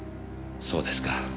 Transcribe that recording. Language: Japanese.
そうですか。